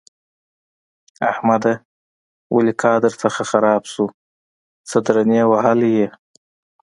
احمده! ولې کار درڅخه خراب شو؛ څه درنې وهلی يې؟!